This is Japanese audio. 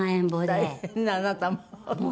大変ねあなたも。